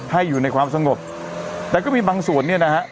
ให้อยู่ในความสงบแต่ก็มีบางส่วนเนี่ยนะฮะ